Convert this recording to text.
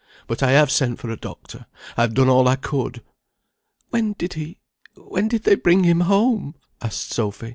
But I have sent for a doctor. I have done all I could." "When did he when did they bring him home?" asked Sophy.